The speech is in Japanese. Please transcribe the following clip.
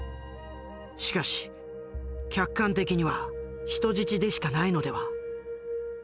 しかし客観的には人質でしかないのでは？